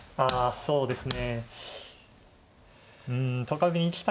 そうですね。